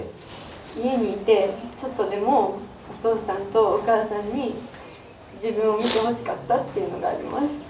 家にいてちょっとでもお父さんとお母さんに自分を見てほしかったっていうのがあります。